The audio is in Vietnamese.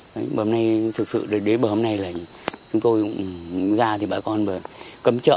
bữa hôm nay thực sự đến bữa hôm nay là chúng tôi ra thì bà con cấm chợ